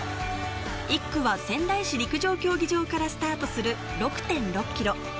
１区は仙台市陸上競技場からスタートする６．６ｋｍ。